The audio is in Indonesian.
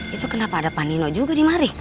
itu kenapa ada pak nino juga di mari